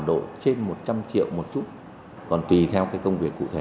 độ trên một trăm linh triệu một chút còn tùy theo cái công việc cụ thể